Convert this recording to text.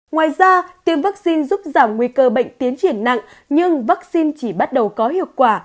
ngoài ra tiêm vaccine giúp giảm nguy cơ bệnh tiến triển nặng nhưng vaccine chỉ bắt đầu có hiệu quả